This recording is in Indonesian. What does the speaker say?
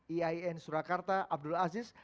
iin surakarta abdul aziz